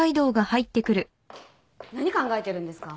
何考えてるんですか？